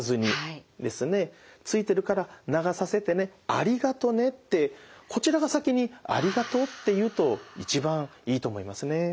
「ついてるから流させてねありがとね」ってこちらが先に「ありがとう」って言うと一番いいと思いますね。